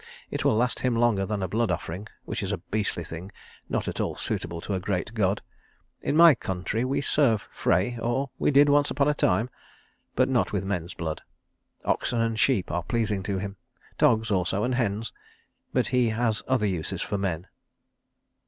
It will last him longer than a blood offering, which is a beastly thing not at all suitable to a great God. In my country we serve Frey or we did once upon a time but not with men's blood. Oxen and sheep are pleasing to him; dogs also and hens. But he has other uses for men."